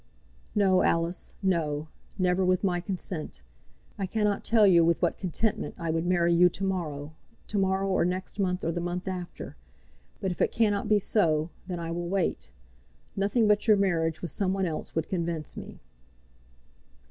"No, Alice, no; never with my consent. I cannot tell you with what contentment I would marry you to morrow, to morrow, or next month, or the month after. But if it cannot be so, then I will wait. Nothing but your marriage with some one else would convince me."